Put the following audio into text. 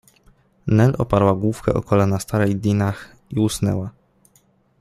Nel oparła główkę o kolana starej Dinah i usnęła.